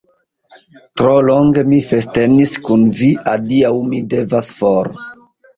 Tro longe mi festenis kun vi, adiaŭ, mi devas for!